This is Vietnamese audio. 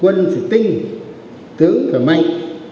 quân phải tinh tướng phải mạnh